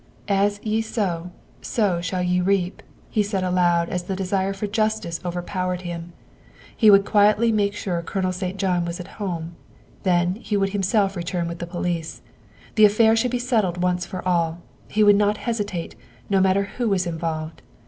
"As ye sow, so shall ye reap," he said aloud as the desire for justice overpowered him. He would quietly make sure Colonel St. John was at home, then he would himself return with the police. The affair should be settled once for all; he would not hesitate, no matter who was involved.